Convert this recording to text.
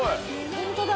本当だ。